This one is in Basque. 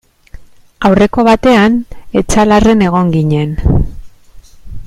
Aurreko batean Etxalarren egon ginen.